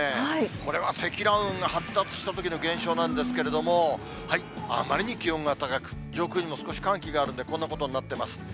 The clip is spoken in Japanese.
これは積乱雲が発達したときの現象なんですけれども、あまりに気温が高く、上空にも少し寒気があるんで、こんなことになってます。